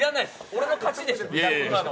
俺の勝ちでしょ、今の。